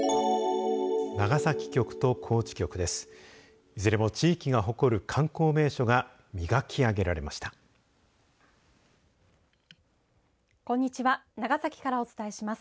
長崎局と高知局です。